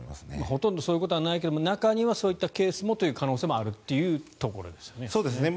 ほとんどそういうことはないけど中にはそういったケースもあるという可能性もあるというところですね。